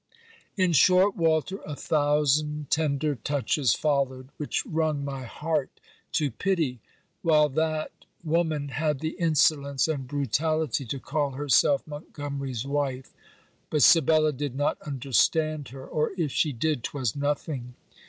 In short, Walter, a thousand tender touches followed which wrung my heart to pity while that woman had the insolence and brutality to call herself Montgomery's wife. But Sibella did not understand her, or if she did, 'twas nothing.